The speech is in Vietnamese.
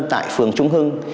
tại phường trung hưng